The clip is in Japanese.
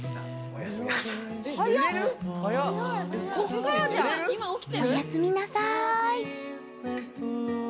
おやすみなさい。